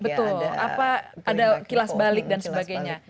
betul apa ada kilas balik dan sebagainya